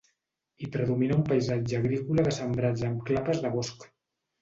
Hi predomina un paisatge agrícola de sembrats amb clapes de bosc.